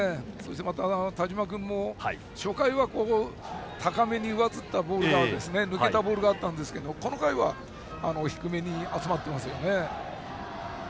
田嶋君も初回は高めに上ずったボールや抜けたボールがあったんですがこの回は、低めに集まってますね。